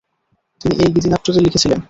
তিনি এই গীতিনাট্যটি লিখেছিলেন।